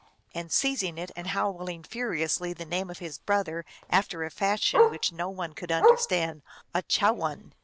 And seizing it, and howling furiously the name of his brother after a fashion which no one could under stand, Aa chowwa n!